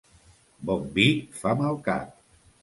Bon vi fa mal cap.